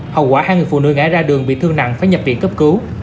hậu quả hai người phụ nữ ngã ra đường bị thương nặng phải nhập viện cấp cứu